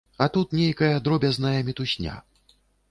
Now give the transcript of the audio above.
А тут нейкая дробязная мітусня.